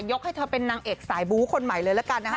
ให้เธอเป็นนางเอกสายบู๊คนใหม่เลยละกันนะฮะ